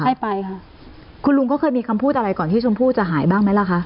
ให้ไปค่ะคุณลุงก็เคยมีคำพูดอะไรก่อนที่ชมพู่จะหายบ้างไหมล่ะคะ